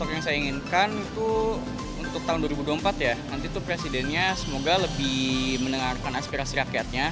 yang saya inginkan itu untuk tahun dua ribu dua puluh empat ya nanti itu presidennya semoga lebih mendengarkan aspirasi rakyatnya